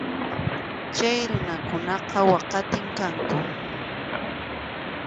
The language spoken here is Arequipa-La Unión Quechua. Chay runakunaqa waqatim kanku.